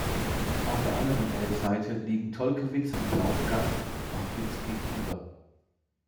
Auf der anderen Elbseite liegen Tolkewitz und Laubegast Wachwitz gegenüber.